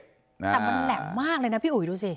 แต่มันแหลมมากเลยนะพี่อุ๋ยดูสิ